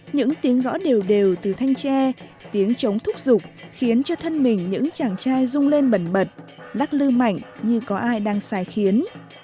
những tiếng ngõ đều đều từ thanh tre tiếng chống thúc giục khiến cho thân mình những chàng trai rung lên bẩn bật lắc lư mạnh như có ai đang xài khiến